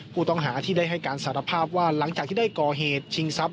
ผู้ต้องหาที่ได้ให้การสารภาพว่าหลังจากที่ได้ก่อเหตุชิงทรัพย